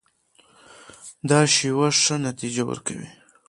دا شیوه ښه نتیجه ورکوي.